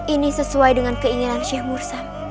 ini sesuai dengan keinginan syekh murus